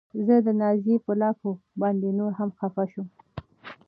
زه د نازيې په لافو باندې نوره هم خپه شوم.